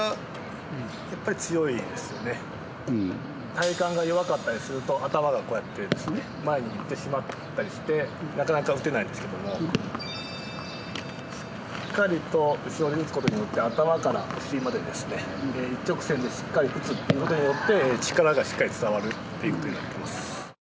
体幹が弱かったりすると頭がこうやって前にいってしまったりしてなかなか打てないんですけどもしっかりと後ろで打つことによって頭からお尻まで一直線でしっかり打つということによって力がしっかり伝わるということになってます。